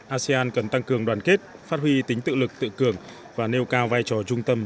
asean cần tăng cường đoàn kết phát huy tính tự lực tự cường và nêu cao vai trò trung tâm